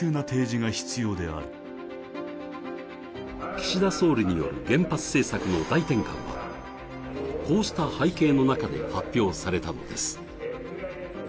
岸田総理による原発政策の大転換はこうした背景の中で発表されたのです。